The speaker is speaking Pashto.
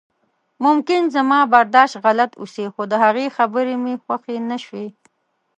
ممکن زما برداشت غلط اوسي خو د هغې خبرې مې خوښې نشوې.